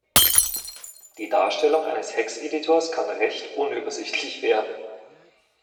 Die Darstellung eines Hex-Editors kann recht unübersichtlich werden.